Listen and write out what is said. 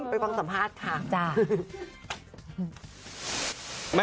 ไปฟังสัมภาษณ์ค่ะ